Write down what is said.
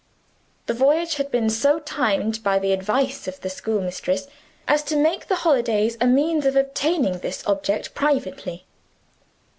The voyage had been so timed, by the advice of the schoolmistress, as to make the holidays a means of obtaining this object privately.